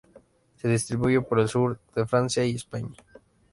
Se distribuye por el sur de Francia y España.